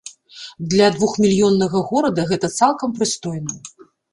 Для двухмільённага горада гэта цалкам прыстойна.